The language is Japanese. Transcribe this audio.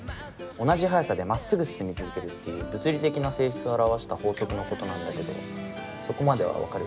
同じ速さでまっすぐ進み続けるっていう物理的な性質を表した法則のことなんだけどそこまでは分かる？